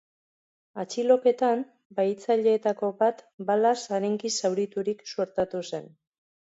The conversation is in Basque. Atxiloketan, bahitzaileetako bat balaz arinki zauriturik suertatu zen.